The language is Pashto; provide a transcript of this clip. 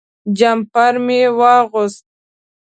جمپر مې واغوست.